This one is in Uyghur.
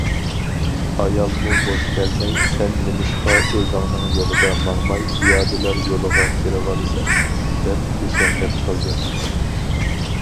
ئايالمۇ بوش كەلمەي:‹‹ سەن نېمىشقا ئۆزۈڭنىڭ يولىدا ماڭماي پىيادىلەر يولىغا كىرىۋالىسەن؟›› دەپ بىشەملىك قىلدى.